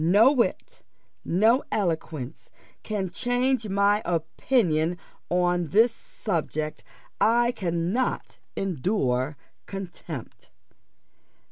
No wit, no eloquence, can change my opinion upon this subject I cannot endure contempt."